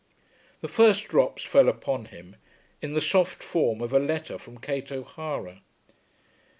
The first drops fell upon him in the soft form of a letter from Kate O'Hara.